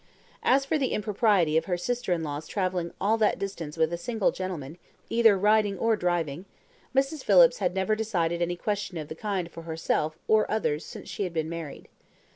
As for the impropriety of her sister in law's travelling all that distance with a single gentleman, either riding or driving, Mrs. Phillips had never decided any question of the kind for herself or others since she had been married.